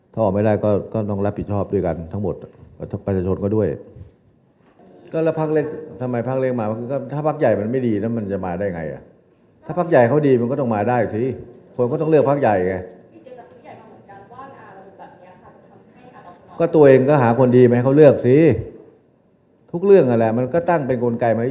ผมไม่ต้องสั่งหรอกเรื่องนี้